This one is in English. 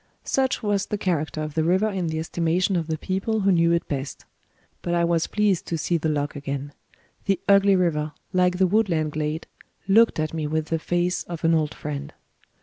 Such was the character of the river in the estimation of the people who knew it best. But I was pleased to see The Loke again. The ugly river, like the woodland glade, looked at me with the face of an old friend.